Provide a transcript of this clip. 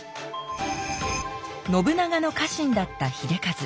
信長の家臣だった秀一。